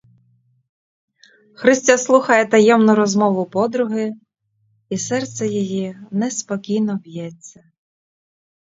Христя слухає таємну розмову подруги — і серце її неспокійно б'ється.